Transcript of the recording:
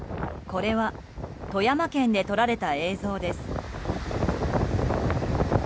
これは富山県で撮られた映像です。